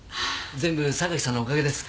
全部榊さんのおかげです。